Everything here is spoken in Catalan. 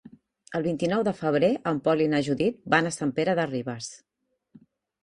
El vint-i-nou de febrer en Pol i na Judit van a Sant Pere de Ribes.